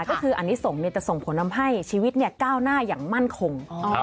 ก็คืออันนี้ส่งจะส่งผลทำให้ชีวิตก้าวหน้าอย่างมั่นคง